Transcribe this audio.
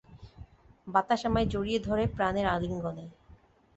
বাতাস আমায় জড়িয়ে ধরে প্রাণের আলিঙ্গনে।